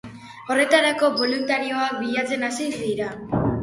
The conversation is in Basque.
Horretarako, boluntarioak bilatzen hasi dira.